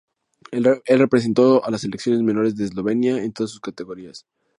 Él representó a las selecciones menores de Eslovenia en todas sus categorías.